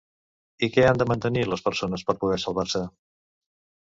I què han de mantenir les persones per poder salvar-se?